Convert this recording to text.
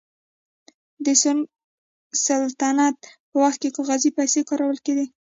د سونګ سلطنت په وخت کې کاغذي پیسې کارول کېدې.